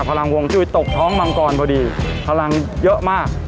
พลังวงจุ้ยตกท้องมังกรพอดีพลังเยอะมาก